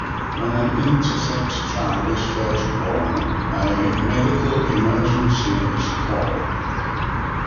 When an intersex child is first born, a "medical emergency" is called.